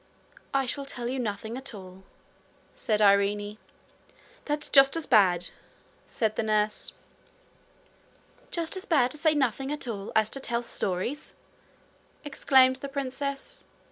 'I shall tell you nothing at all,' said Irene. 'That's just as bad,' said the nurse. 'Just as bad to say nothing at all as to tell stories?' exclaimed the princess.